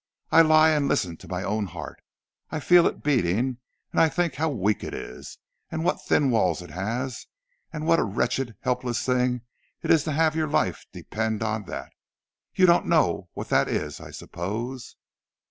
I lie and listen to my own heart—I feel it beating, and I think how weak it is, and what thin walls it has, and what a wretched, helpless thing it is to have your life depend on that!—You don't know what that is, I suppose."